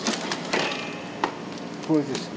これです。